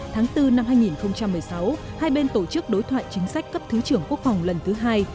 tháng bốn năm hai nghìn một mươi sáu hai bên tổ chức đối thoại chính sách cấp thứ trưởng quốc phòng lần thứ hai